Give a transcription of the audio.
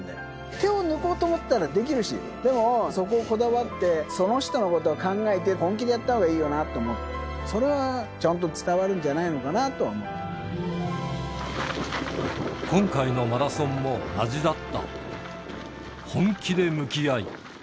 手を抜こうと思ったらできるし、でも、そこをこだわって、その人のことを考えて、本気でやったほうがいいと思う、それはちゃんと伝わるんじゃない今回のマラソンも同じだった。